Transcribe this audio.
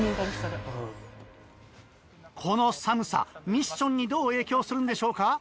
この寒さミッションにどう影響するんでしょうか。